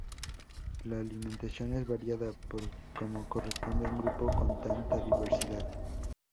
La alimentación es variada, como corresponde a un grupo con tanta diversidad.